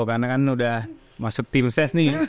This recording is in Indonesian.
karena kan sudah masuk tim ses nih